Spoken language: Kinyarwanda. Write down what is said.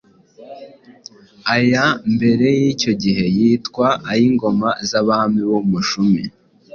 Aya mbere y’icyo gihe yitwa ay’ingoma z’ “Abami b’Umushumi”,